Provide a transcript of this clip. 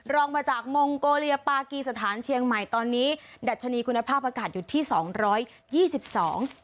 รองมาจากมองโกเลียปากีสถานเชียงใหม่ตอนนี้ดัชนีคุณภาพอากาศอยู่ที่สองร้อยยี่สิบสอง